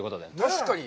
確かに。